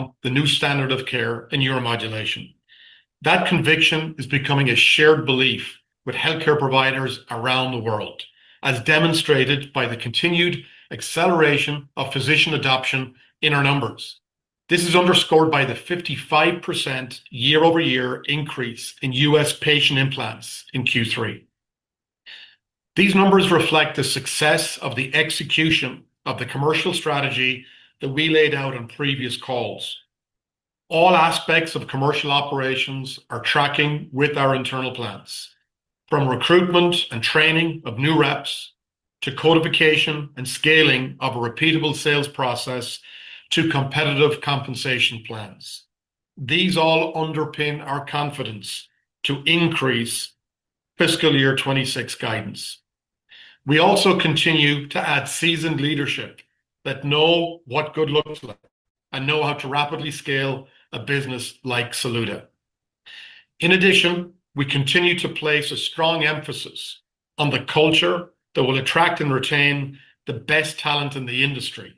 On the new standard of care in neuromodulation. That conviction is becoming a shared belief with healthcare providers around the world, as demonstrated by the continued acceleration of physician adoption in our numbers. This is underscored by the 55% year-over-year increase in U.S. patient implants in Q3. These numbers reflect the success of the execution of the commercial strategy that we laid out on previous calls. All aspects of commercial operations are tracking with our internal plans, from recruitment and training of new reps, to codification and scaling of a repeatable sales process, to competitive compensation plans. These all underpin our confidence to increase fiscal year 2026 guidance. We also continue to add seasoned leadership that know what good looks like and know how to rapidly scale a business like Saluda. In addition, we continue to place a strong emphasis on the culture that will attract and retain the best talent in the industry.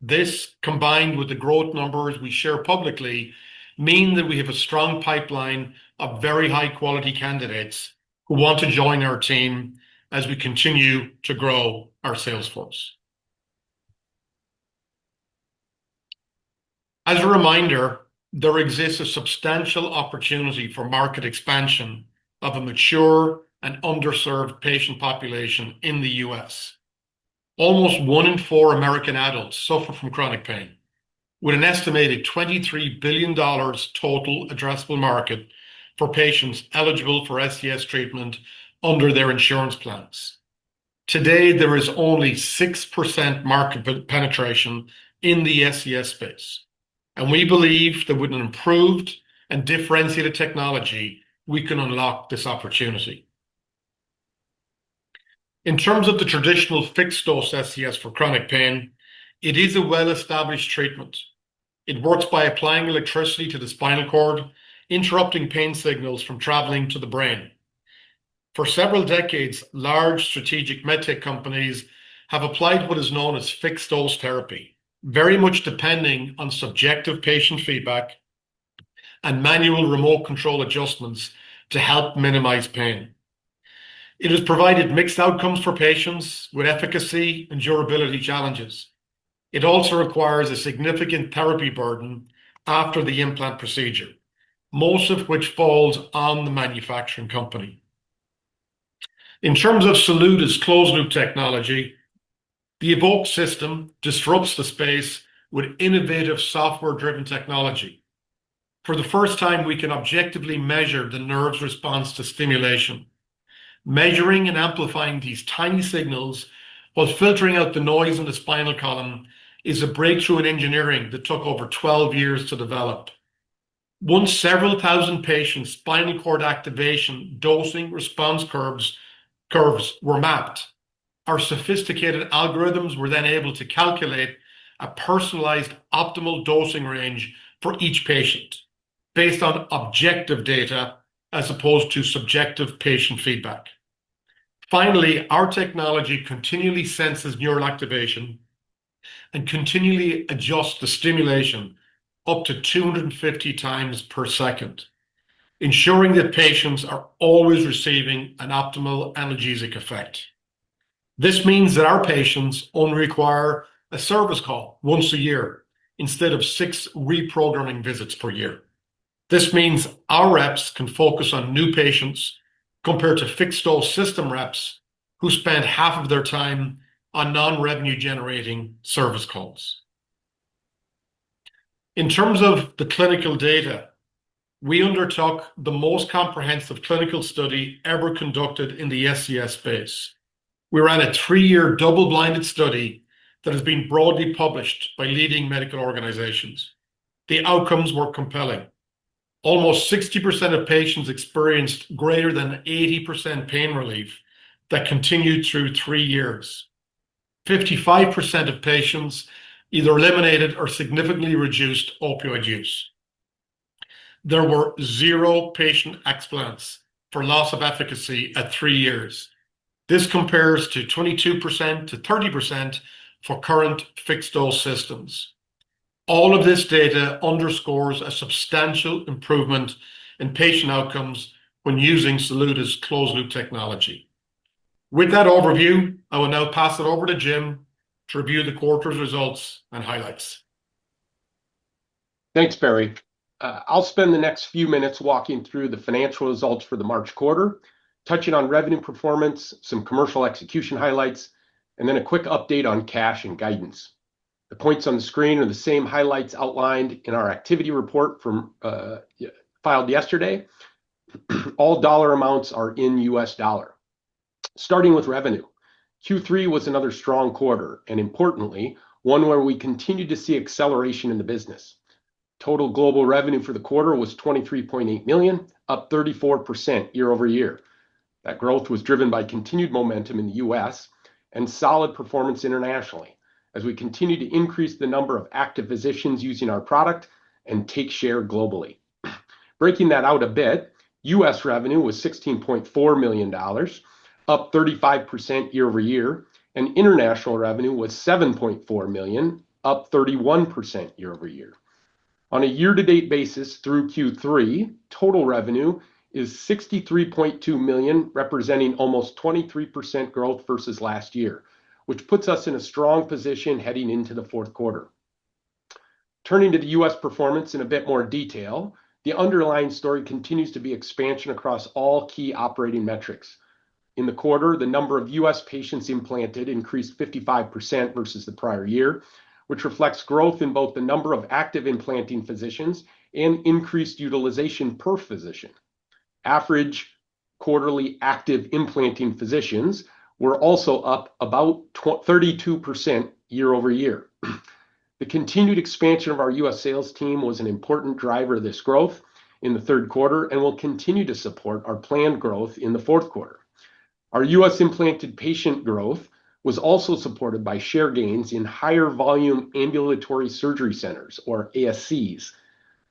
This, combined with the growth numbers we share publicly, mean that we have a strong pipeline of very high-quality candidates who want to join our team as we continue to grow our sales force. As a reminder, there exists a substantial opportunity for market expansion of a mature and underserved patient population in the U.S. Almost one in four American adults suffer from chronic pain, with an estimated $23 billion total addressable market for patients eligible for SCS treatment under their insurance plans. Today, there is only 6% market penetration in the SCS space, and we believe that with an improved and differentiated technology, we can unlock this opportunity. In terms of the traditional fixed-dose SCS for chronic pain, it is a well-established treatment. It works by applying electricity to the spinal cord, interrupting pain signals from traveling to the brain. For several decades, large strategic medtech companies have applied what is known as fixed-dose therapy, very much depending on subjective patient feedback and manual remote control adjustments to help minimize pain. It has provided mixed outcomes for patients with efficacy and durability challenges. It also requires a significant therapy burden after the implant procedure, most of which falls on the manufacturing company. In terms of Saluda's closed-loop technology, the Evoke System disrupts the space with innovative software-driven technology. For the first time, we can objectively measure the nerve's response to stimulation. Measuring and amplifying these tiny signals while filtering out the noise in the spinal column is a breakthrough in engineering that took over 12 years to develop. Once several thousand patients' spinal cord activation dosing-response curves were mapped, our sophisticated algorithms were then able to calculate a personalized optimal dosing range for each patient based on objective data as opposed to subjective patient feedback. Finally, our technology continually senses neural activation and continually adjusts the stimulation up to 250x per second, ensuring that patients are always receiving an optimal analgesic effect. This means that our patients only require a service call once a year instead of six reprogramming visits per year. This means our reps can focus on new patients compared to fixed-dose SCS reps who spend half of their time on non-revenue generating service calls. In terms of the clinical data, we undertook the most comprehensive clinical study ever conducted in the SCS space. We ran a three-year double-blinded study that has been broadly published by leading medical organizations. The outcomes were compelling. Almost 60% of patients experienced greater than 80% pain relief that continued through three years. 55% of patients either eliminated or significantly reduced opioid use. There were zero patient explants for loss of efficacy at three years. This compares to 22%-30% for current fixed-dose systems. All of this data underscores a substantial improvement in patient outcomes when using Saluda's closed-loop technology. With that overview, I will now pass it over to Jim to review the quarter's results and highlights. Thanks, Barry. I'll spend the next few minutes walking through the financial results for the March quarter, touching on revenue performance, some commercial execution highlights, and then a quick update on cash and guidance. The points on the screen are the same highlights outlined in our activity report from filed yesterday. All dollar amounts are in U.S. dollar. Starting with revenue, Q3 was another strong quarter, and importantly, one where we continued to see acceleration in the business. Total global revenue for the quarter was $23.8 million, up 34% year-over-year. That growth was driven by continued momentum in the U.S. and solid performance internationally as we continue to increase the number of active physicians using our product and take share globally. Breaking that out a bit, U.S. revenue was $16.4 million, up 35% year-over-year, and international revenue was $7.4 million, up 31% year-over-year. On a year-to-date basis through Q3, total revenue is $63.2 million, representing almost 23% growth versus last year, which puts us in a strong position heading into the fourth quarter. Turning to the U.S. performance in a bit more detail, the underlying story continues to be expansion across all key operating metrics. In the quarter, the number of U.S. patients implanted increased 55% versus the prior year, which reflects growth in both the number of active implanting physicians and increased utilization per physician. Average quarterly active implanting physicians were also up about 32% year-over-year. The continued expansion of our U.S. sales team was an important driver of this growth in the third quarter and will continue to support our planned growth in the fourth quarter. Our U.S. implanted patient growth was also supported by share gains in higher volume ambulatory surgery centers or ASCs.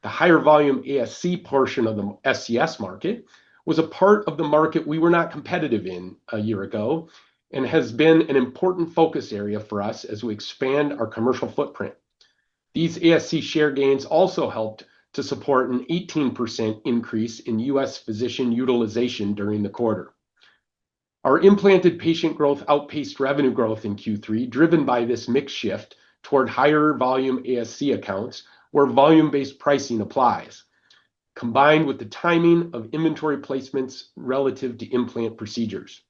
The higher volume ASC portion of the SCS market was a part of the market we were not competitive in a year ago and has been an important focus area for us as we expand our commercial footprint. These ASC share gains also helped to support an 18% increase in U.S. physician utilization during the quarter. Our implanted patient growth outpaced revenue growth in Q3, driven by this mix shift toward higher volume ASC accounts where volume-based pricing applies, combined with the timing of inventory placements relative to implant procedures.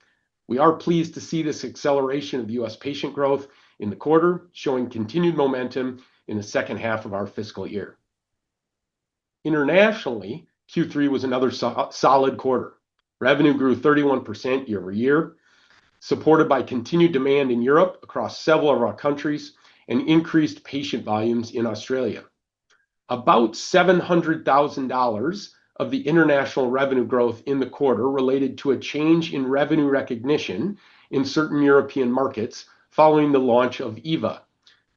We are pleased to see this acceleration of U.S. patient growth in the quarter, showing continued momentum in the second half of our fiscal year. Internationally, Q3 was another solid quarter. Revenue grew 31% year-over-year, supported by continued demand in Europe across several of our countries and increased patient volumes in Australia. About $700,000 of the international revenue growth in the quarter related to a change in revenue recognition in certain European markets following the launch of EVA.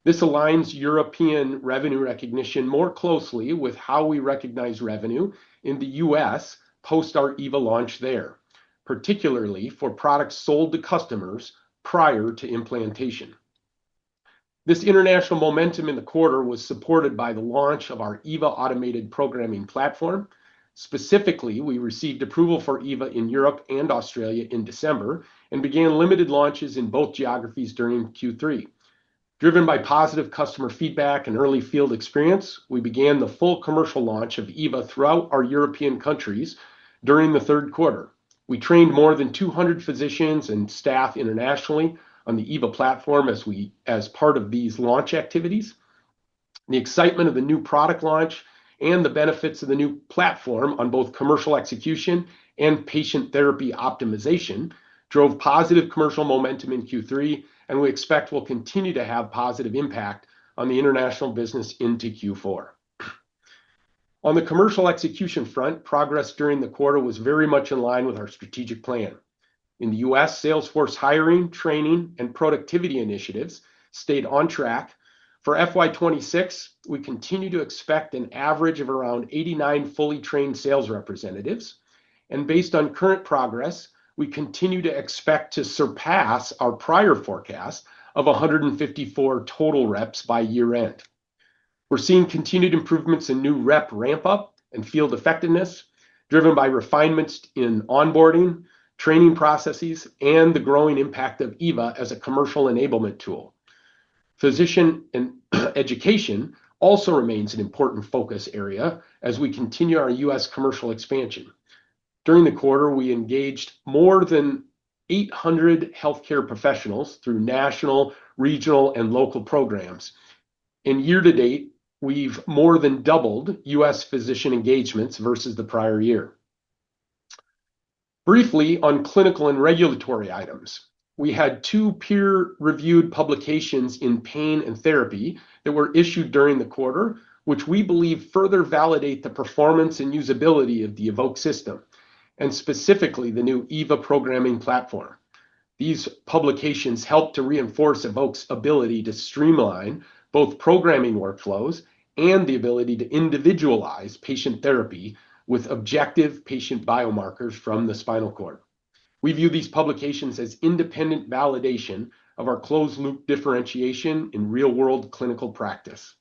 This aligns European revenue recognition more closely with how we recognize revenue in the U.S. post our EVA launch there, particularly for products sold to customers prior to implantation. This international momentum in the quarter was supported by the launch of our EVA automated programming platform. Specifically, we received approval for EVA in Europe and Australia in December and began limited launches in both geographies during Q3. Driven by positive customer feedback and early field experience, we began the full commercial launch of EVA throughout our European countries during the third quarter. We trained more than 200 physicians and staff internationally on the EVA platform as part of these launch activities. The excitement of the new product launch and the benefits of the new platform on both commercial execution and patient therapy optimization drove positive commercial momentum in Q3 and we expect will continue to have positive impact on the international business into Q4. On the commercial execution front, progress during the quarter was very much in line with our strategic plan. In the U.S., sales force hiring, training, and productivity initiatives stayed on track. For FY 2026, we continue to expect an average of around 89 fully trained sales representatives. Based on current progress, we continue to expect to surpass our prior forecast of 154 total reps by year end. We're seeing continued improvements in new rep ramp up and field effectiveness driven by refinements in onboarding, training processes, and the growing impact of EVA as a commercial enablement tool. Physician and education also remains an important focus area as we continue our U.S. commercial expansion. During the quarter, we engaged more than 800 healthcare professionals through national, regional, and local programs. Year-to-date, we've more than doubled U.S. physician engagements versus the prior year. Briefly on clinical and regulatory items, we had two peer-reviewed publications in Pain and Therapy that were issued during the quarter, which we believe further validate the performance and usability of the Evoke System, and specifically the new EVA programming platform. These publications help to reinforce Evoke's ability to streamline both programming workflows and the ability to individualize patient therapy with objective patient biomarkers from the spinal cord. We view these publications as independent validation of our closed-loop differentiation in real-world clinical practice.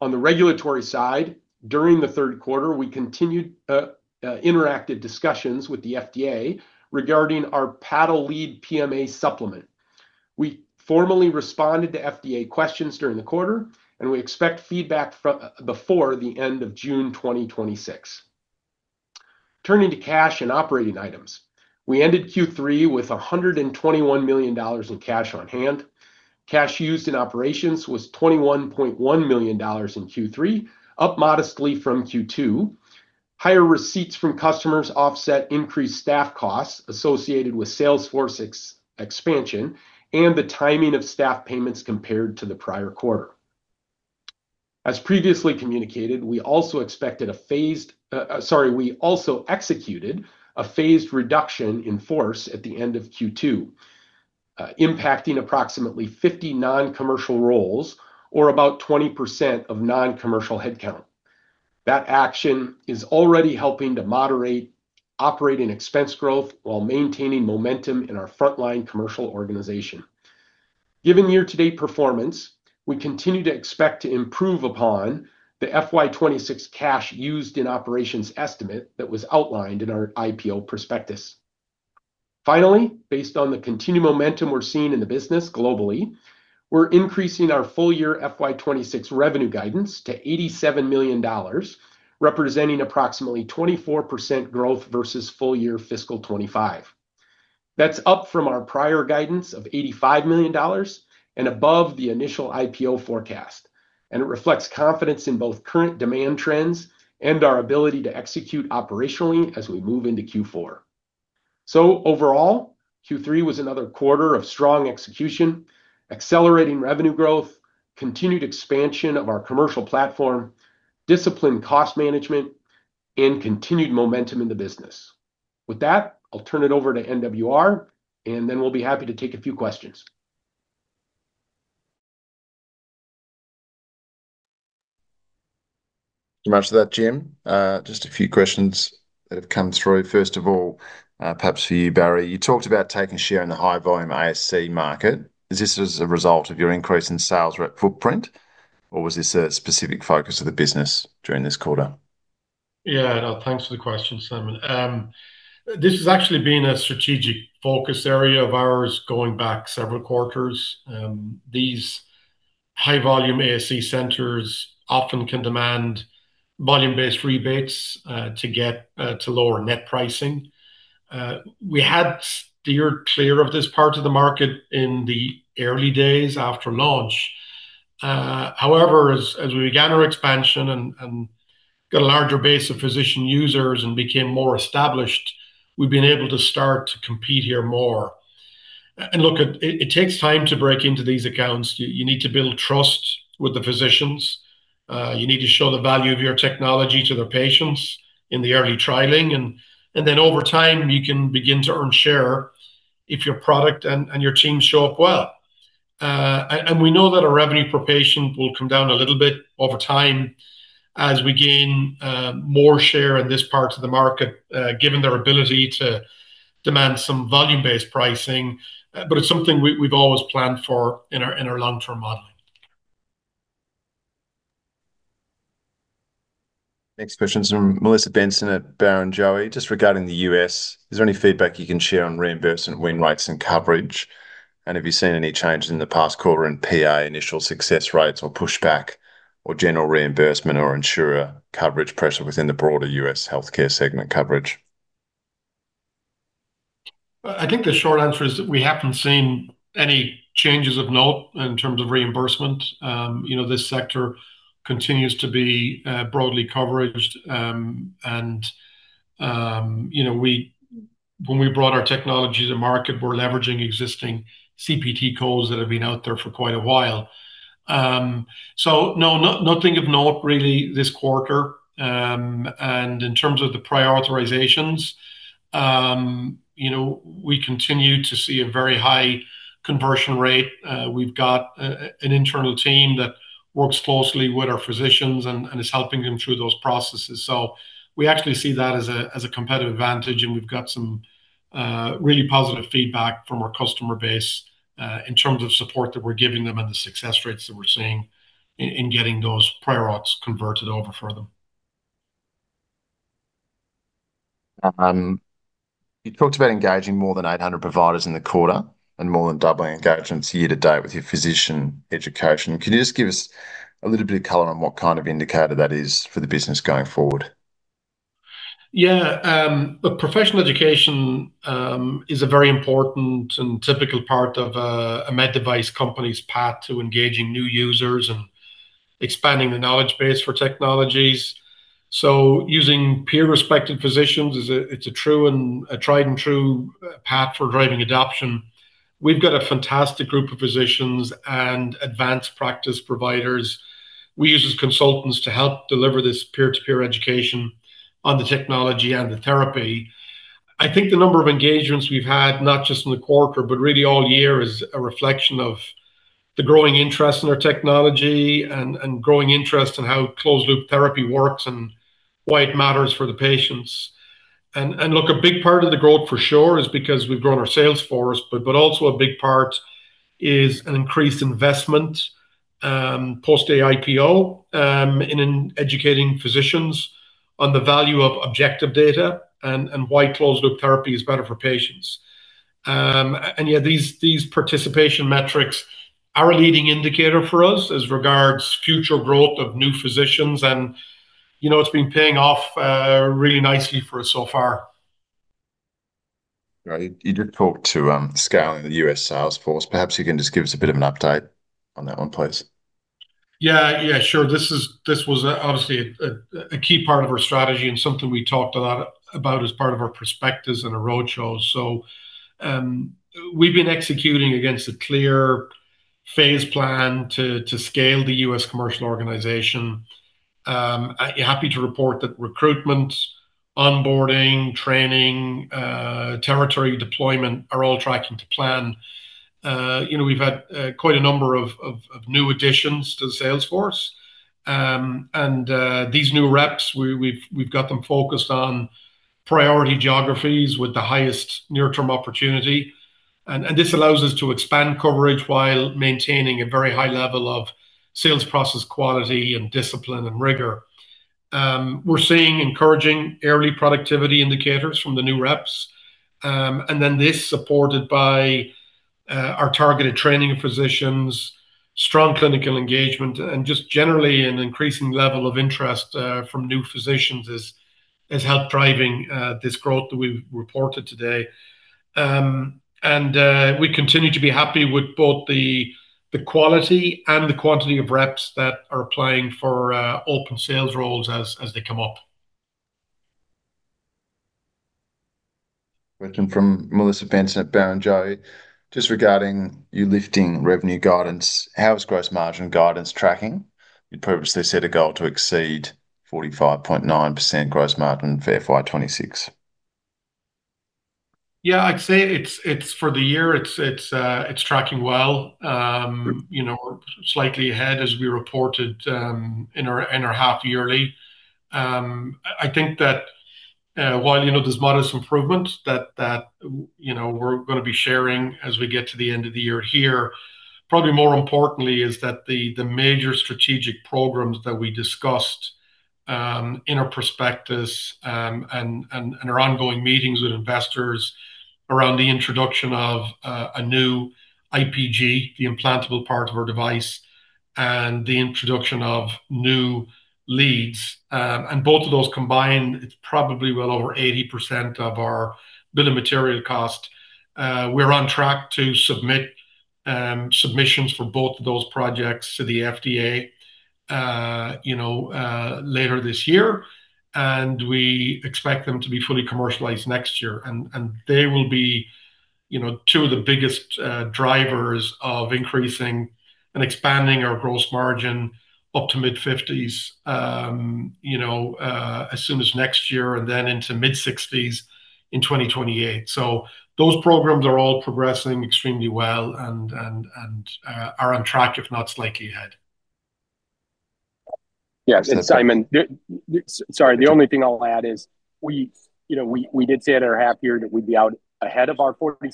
On the regulatory side, during the third quarter, we continued interactive discussions with the FDA regarding our paddle lead PMA supplement. We formally responded to FDA questions during the quarter, we expect feedback before the end of June 2026. Turning to cash and operating items, we ended Q3 with $121 million in cash on hand. Cash used in operations was $21.1 million in Q3, up modestly from Q2. Higher receipts from customers offset increased staff costs associated with sales force expansion and the timing of staff payments compared to the prior quarter. As previously communicated, we also executed a phased reduction in force at the end of Q2, impacting approximately 50 non-commercial roles or about 20% of non-commercial headcount. That action is already helping to moderate operating expense growth while maintaining momentum in our frontline commercial organization. Given year-to-date performance, we continue to expect to improve upon the FY 2026 cash used in operations estimate that was outlined in our IPO prospectus. Based on the continued momentum we're seeing in the business globally, we're increasing our full year FY 2026 revenue guidance to $87 million, representing approximately 24% growth versus full year fiscal 2025. That's up from our prior guidance of $85 million and above the initial IPO forecast. It reflects confidence in both current demand trends and our ability to execute operationally as we move into Q4. Overall, Q3 was another quarter of strong execution, accelerating revenue growth, continued expansion of our commercial platform, disciplined cost management, and continued momentum in the business. With that, I'll turn it over to NWR. Then we'll be happy to take a few questions. Thanks for that, Jim. Just a few questions that have come through. First of all, perhaps for you, Barry. You talked about taking share in the high volume ASC market. Is this as a result of your increase in sales rep footprint, or was this a specific focus of the business during this quarter? Thanks for the question, Simon. This has actually been a strategic focus area of ours going back several quarters. These high volume ASC centers often can demand volume-based rebates to get to lower net pricing. We had steered clear of this part of the market in the early days after launch. However, as we began our expansion and got a larger base of physician users and became more established, we've been able to start to compete here more. Look, it takes time to break into these accounts. You need to build trust with the physicians. You need to show the value of your technology to their patients in the early trialing, then over time you can begin to earn share if your product and your team show up well. We know that our revenue per patient will come down a little bit over time as we gain more share in this part of the market, given their ability to demand some volume-based pricing. It's something we've always planned for in our long-term modeling. Next question's from Melissa Benson at Barrenjoey. Just regarding the U.S., is there any feedback you can share on reimbursement win rates and coverage? Have you seen any changes in the past quarter in PA initial success rates or pushback or general reimbursement or insurer coverage pressure within the broader U.S. healthcare segment coverage? I think the short answer is that we haven't seen any changes of note in terms of reimbursement. You know, this sector continues to be broadly coveraged. You know, when we brought our technology to market, we're leveraging existing CPT codes that have been out there for quite a while. Nothing of note really this quarter. In terms of the prior authorizations, you know, we continue to see a very high conversion rate. We've got an internal team that works closely with our physicians and is helping them through those processes. We actually see that as a competitive advantage, and we've got some, really positive feedback from our customer base in terms of support that we're giving them and the success rates that we're seeing in getting those prior auths converted over for them. You talked about engaging more than 800 providers in the quarter and more than doubling engagements year-to-date with your physician education. Can you just give us a little bit of color on what kind of indicator that is for the business going forward? Look, professional education is a very important and typical part of a med-device company's path to engaging new users and expanding the knowledge base for technologies. Using peer-respected physicians is a true and tried and true path for driving adoption. We've got a fantastic group of physicians and advanced practice providers we use as consultants to help deliver this peer-to-peer education on the technology and the therapy. I think the number of engagements we've had, not just in the quarter, but really all year, is a reflection of the growing interest in our technology and growing interest in how closed-loop therapy works and why it matters for the patients. Look, a big part of the growth for sure is because we've grown our sales force, but also a big part is an increased investment post the IPO in educating physicians on the value of objective data and why closed-loop therapy is better for patients. Yeah, these participation metrics are a leading indicator for us as regards future growth of new physicians and, you know, it's been paying off really nicely for us so far. Right. You did talk to, scaling the U.S. sales force. Perhaps you can just give us a bit of an update on that, please. Yeah. Yeah, sure. This was obviously a key part of our strategy and something we talked a lot about as part of our prospectus and our roadshows. We've been executing against a clear phased plan to scale the U.S. commercial organization. I am happy to report that recruitment, onboarding, training, territory deployment are all tracking to plan. You know, we've had quite a number of new additions to the sales force. These new reps, we've got them focused on priority geographies with the highest near-term opportunity. This allows us to expand coverage while maintaining a very high level of sales process quality and discipline and rigor. We're seeing encouraging early productivity indicators from the new reps. This supported by our targeted training of physicians, strong clinical engagement, and just generally an increasing level of interest from new physicians is help driving this growth that we've reported today. We continue to be happy with both the quality and the quantity of reps that are applying for open sales roles as they come up. Question from Melissa Benson at Barrenjoey, just regarding you lifting revenue guidance. How is gross margin guidance tracking? You'd purposely set a goal to exceed 45.9% gross margin for FY 2026. Yeah. I'd say it's for the year, it's tracking well. You know, we're slightly ahead as we reported in our half yearly. I think that, while, you know, there's modest improvement that, you know, we're gonna be sharing as we get to the end of the year here. Probably more importantly is that the major strategic programs that we discussed in our prospectus and our ongoing meetings with investors around the introduction of a new IPG, the implantable part of our device, and the introduction of new leads. Both of those combined, it's probably well over 80% of our bill of material cost. We're on track to submit submissions for both of those projects to the FDA, you know, later this year. We expect them to be fully commercialized next year. They will be, you know, two of the biggest drivers of increasing and expanding our gross margin up to mid-50s, you know, as soon as next year, and then into mid-60s in 2028. Those programs are all progressing extremely well and are on track, if not slightly ahead. Yes, Simon. Sorry, the only thing I'll add is we, you know, we did say at our half year that we'd be out ahead of our 46%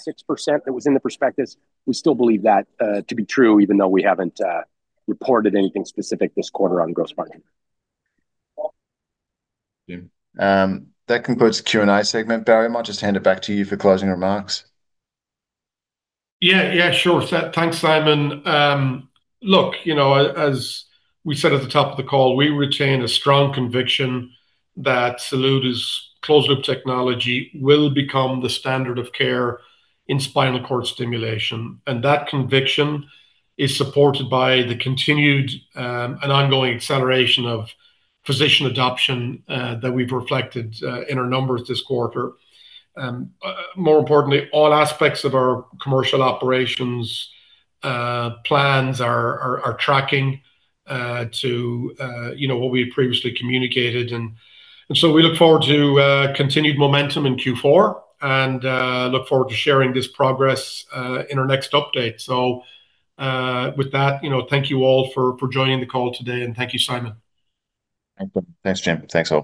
that was in the prospectus. We still believe that to be true, even though we haven't reported anything specific this quarter on gross margin. That concludes the Q&A segment. Barry, I might just hand it back to you for closing remarks. Yeah, yeah, sure. Thanks, Simon. Look, you know, as we said at the top of the call, we retain a strong conviction that Saluda's closed-loop technology will become the standard of care in spinal cord stimulation, and that conviction is supported by the continued and ongoing acceleration of physician adoption that we've reflected in our numbers this quarter. More importantly, all aspects of our commercial operations plans are tracking to, you know, what we had previously communicated. We look forward to continued momentum in Q4 and look forward to sharing this progress in our next update. With that, you know, thank you all for joining the call today, and thank you, Simon. Thank you. Thanks, Jim. Thanks all.